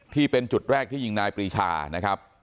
ที่เป็นจุดแรกที่ยิงนายปรีชานะครับ